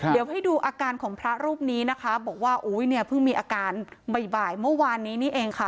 เดี๋ยวให้ดูอาการของพระรูปนี้นะคะบอกว่าอุ้ยเนี่ยเพิ่งมีอาการบ่ายเมื่อวานนี้นี่เองค่ะ